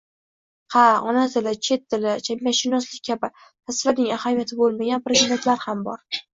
«Ha, ona tili, chet tili, jamiyatshunoslik kabi tasvirning ahamiyati bo‘lmagan predmetlar ham bor.